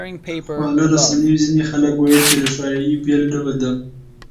خواله رسنیو ځینې خلک وویل چې روښنايي بېل ډول ده.